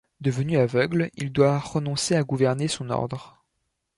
Devenu aveugle, il doit renoncer à gouverner son ordre.